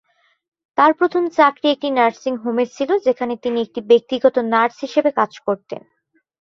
তার প্রথম চাকরি একটি নার্সিং হোমে ছিল, যেখানে তিনি একটি ব্যক্তিগত নার্স হিসেবে কাজ করতেন।